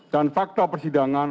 dan fakta persidangan